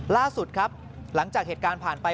ล่าสุดครับหลังจากเหตุการณ์ผ่านไป